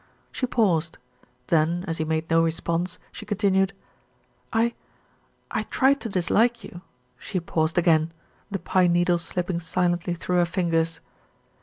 She paused, then as he made no response she con tinued : "I I tried to dislike you," she paused again, the pine needles slipping silently through her fingers.